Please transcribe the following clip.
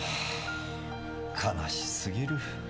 悲しすぎる。